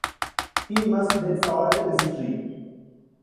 He must then solve the mystery.